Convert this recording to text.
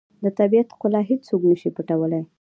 د طبیعت ښکلا هیڅوک نه شي پټولی.